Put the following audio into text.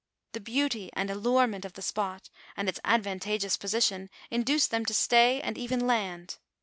The beauty and allure ment of the spot, and its advantageous position, induced them to stay and even land.